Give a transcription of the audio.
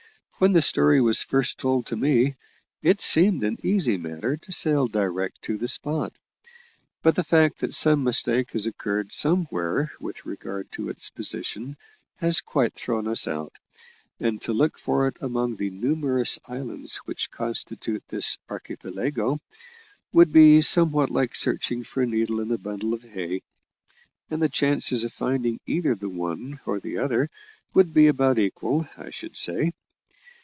"When the story was first told to me, it seemed an easy matter to sail direct to the spot, but the fact that some mistake has occurred somewhere with regard to its position has quite thrown us out, and to look for it among the numerous islands which constitute this archipelago would be somewhat like searching for a needle in a bundle of hay, and the chances of finding either the one or the other would be about equal, I should say.